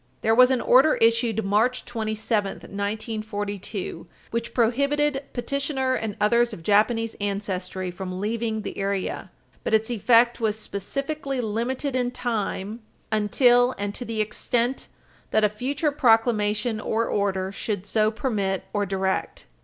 There was an order issued March 27, 1942, which prohibited petitioner and others of Japanese ancestry from leaving the area, but its effect was specifically limited in time "until and to the extent that a future proclamation or order should so permit or direct."